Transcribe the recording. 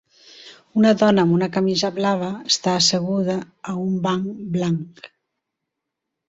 Una dona amb una camisa blava està asseguda a un banc blanc.